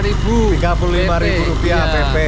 tiga puluh lima ribu rupiah pp